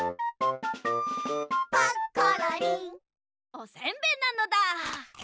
おせんべいなのだ！